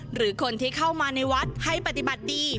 หรือคนที่เข้ามาในวัดให้ปฏิบัติดี